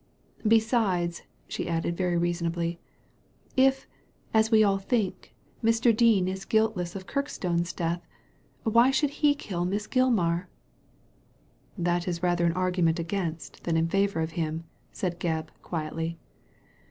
Besides," she added, very reasonably, '' if, as we all think, Mr. Dean is guiltless of Kirk stone's death, why should he kill Miss Gilmar?" ''That is rather an argument against than in favour of him," said Gebb, quietly.